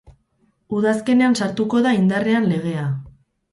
Udazkenean sartuko da indarrean legea.